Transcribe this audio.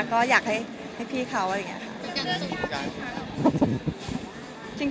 ก็อยากให้พี่เขาอะไรอย่างนี้ค่ะ